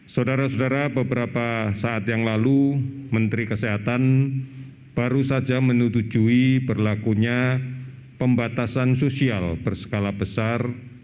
saudara saudara beberapa saat yang lalu menteri kesehatan baru saja menutujui berlakunya pembatasan sosial berskala besar